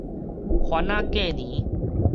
番仔過年